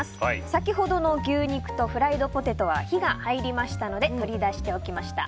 先ほどの牛肉とフライドポテトは火が入りましたので取り出しておきました。